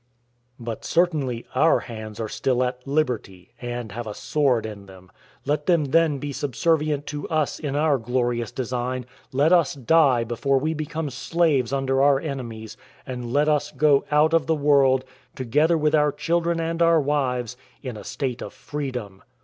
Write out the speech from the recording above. But certainly our hands are still at liberty, and have a sword in them; let them then be subservient to us in our glorious design; let us die before we become slaves under our enemies, and let us go out of the world, together with our children and our wives, in a state of freedom.